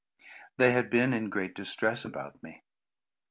They had been in great distress about me.